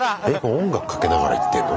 音楽かけながら行ってんの？